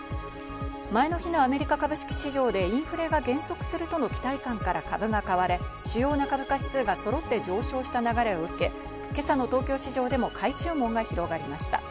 前の日のアメリカ株式市場でインフレが減速するとの期待感から株が買われ、主要な株価指数がそろって上昇した流れを受け、今朝の東京株式市場でも買い注文が広がりました。